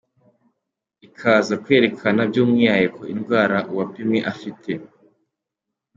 ikaza kwerekana by’umwihariko indwara uwapimwe afite.